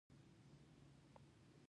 هلته انسان په توکو باندې حاکم او مسلط وي